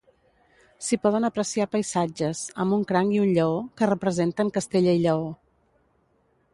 S'hi poden apreciar paisatges, amb un cranc i un lleó, que representen Castella i Lleó.